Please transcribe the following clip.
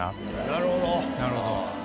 なるほど。